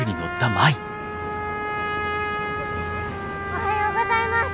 おはようございます。